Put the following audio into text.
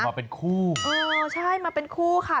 โอ้มาเป็นคู่ใช่มาเป็นคู่ค่ะ